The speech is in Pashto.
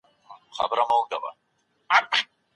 بخښنه کول زړونه پاکوي.